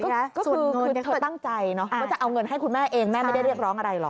คือเธอตั้งใจว่าจะเอาเงินให้คุณแม่เองแม่ไม่ได้เรียกร้องอะไรหรอก